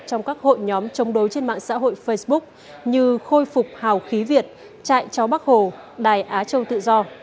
trong các hội nhóm chống đối trên mạng xã hội facebook như khôi phục hào khí việt trại cháu bắc hồ đài á châu tự do